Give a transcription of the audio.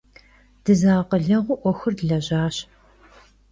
Dızeakhıleğuu 'uexur dlejaş.